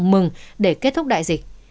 đáng mừng để kết thúc đại dịch